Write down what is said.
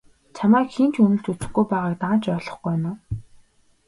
Чамайг хэн ч үнэлж үзэхгүй байгааг даанч ойлгохгүй байна уу?